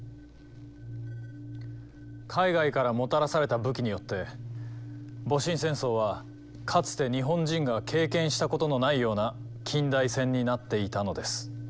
海外からもたらされた武器によって戊辰戦争はかつて日本人が経験したことのないような近代戦になっていたのです。